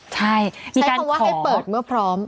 ใช่มีการขอใช้คำว่าให้เปิดเมื่อพร้อม